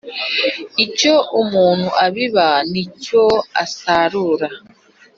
icyo umuntu abiba nicyo asarura